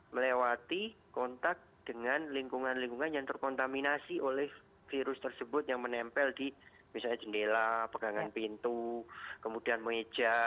melewati kontak dengan lingkungan lingkungan yang terkontaminasi oleh virus tersebut yang menempel di misalnya jendela pegangan pintu kemudian meja